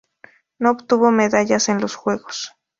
No obtuvo medallas en los juegos.